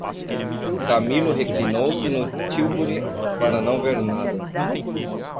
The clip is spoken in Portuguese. Camilo reclinou-se no tílburi, para não ver nada.